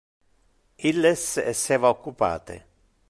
Illes esseva occupate.